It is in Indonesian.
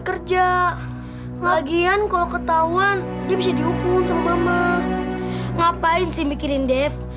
hai kerja lagian kalau ketahuan dia bisa diukur sama mah ngapain sih mikirin dev